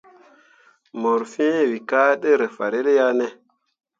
Mor fẽẽ we ka tǝ rǝ fahrel ya ne ?